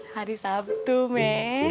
hari sabtu me